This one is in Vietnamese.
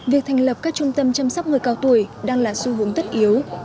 việc thành lập các trung tâm chăm sóc người cao tuổi đang là xu hướng tất yếu